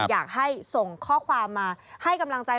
อยากให้ส่งข้อความมาให้กำลังใจ